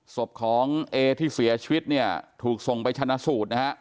ศพของเอที่เสียชีวิตเนี่ยถูกส่งไปชนะสูตรนะฮะ